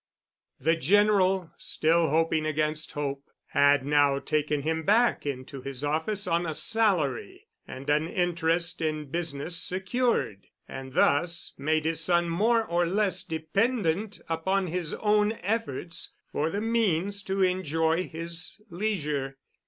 The General, still hoping against hope, had now taken him back into his office on a salary and an interest in business secured, and thus made his son more or less dependent upon his own efforts for the means to enjoy his leisure.